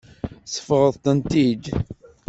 Tsebɣeḍ-tent-id.